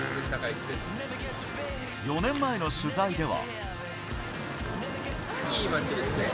４年前の取材では。